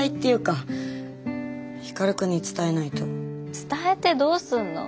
伝えてどうすんの？